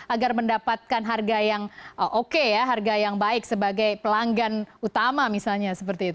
agar mendapatkan harga yang oke ya harga yang baik sebagai pelanggan utama misalnya seperti itu